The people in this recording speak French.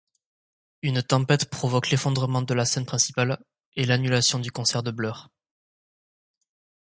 Une tempête provoque l'effondrement de la scène principale, et l'annulation du concert de Blur.